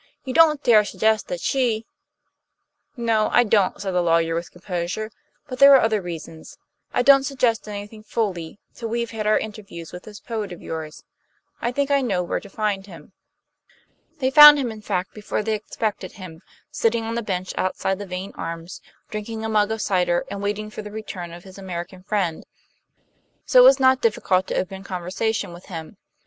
"You don't dare suggest that she " "No, I don't," said the lawyer, with composure, "but there are other reasons.... I don't suggest anything fully, till we've had our interview with this poet of yours. I think I know where to find him." They found him, in fact, before they expected him, sitting on the bench outside the Vane Arms, drinking a mug of cider and waiting for the return of his American friend; so it was not difficult to open conversation with him.